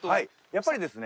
やっぱりですね